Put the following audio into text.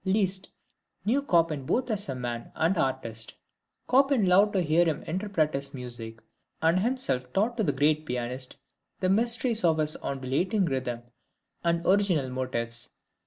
Liszt knew Chopin both as man and artist; Chopin loved to hear him interpret his music, and himself taught the great Pianist the mysteries of his undulating rhythm and original motifs.